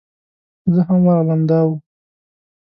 زه هم ورغلم دا و.